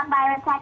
oh baru satu kali